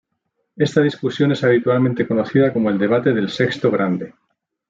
Esta discusión es habitualmente conocida como el debate del sexto grande.